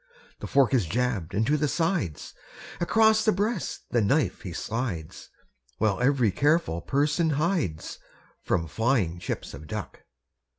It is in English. The fork is jabbed into the sides Across the breast the knife he slides While every careful person hides From flying chips of duck.